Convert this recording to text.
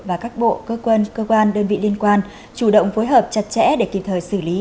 và các bộ cơ quan cơ quan đơn vị liên quan chủ động phối hợp chặt chẽ để kịp thời xử lý